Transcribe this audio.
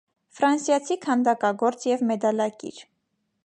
Ֆրանսիացի քանդակագործ և մեդալակիր։